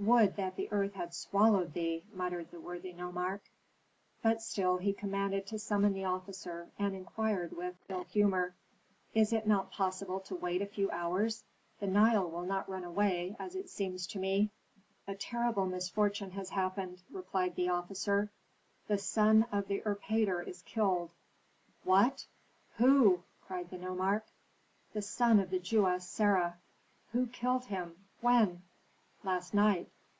"Would that the earth had swallowed thee!" muttered the worthy nomarch. But still he commanded to summon the officer, and inquired with ill humor, "Is it not possible to wait a few hours? The Nile will not run away, as it seems to me." "A terrible misfortune has happened," replied the officer. "The son of the erpatr is killed." "What? Who?" cried the nomarch. "The son of the Jewess Sarah." "Who killed him? When " "Last night."